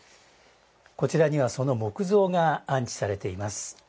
こちらにはその木造が安置されています。